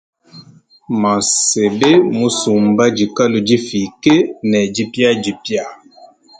Mansebe musumba dikalu difike ne dipiadipia.